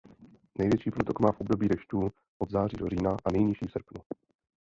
Největší průtok má v období dešťů od září do října a nejnižší v srpnu.